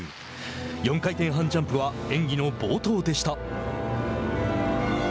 ４回転半ジャンプは演技の冒頭でした。